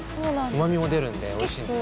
うまみも出るんで美味しいんですよ。